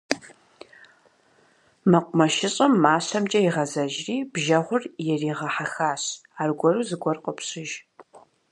МэкъумэшыщӀэм мащэмкӀэ игъэзэжри, бжэгъур иригъэхьэхащ - аргуэру зыгуэр къопщыж.